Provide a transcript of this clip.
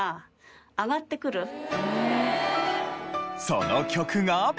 その曲が。